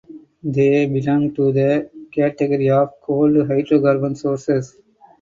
They belong to the category of cold hydrocarbon sources.